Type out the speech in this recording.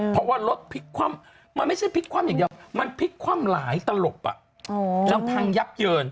เพราะว่ารถพลิกคว่ำมันไม่ใช่พลิกคว่ำอย่างเดียวมันพลิกคว่ำหลายตลบจนพังยับเยิน